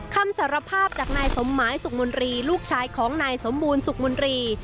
คำสารภาพจากนายสมหมายสุขมนตรีลูกชายของนายสมบูรณสุขมนตรี